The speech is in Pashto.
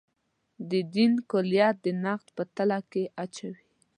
د دین کُلیت د نقد په تله کې اچوي.